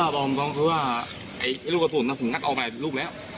บอกผมว่าไอ้ลูกกระสุนน่ะผมงัดเอาไปรูปแล้ว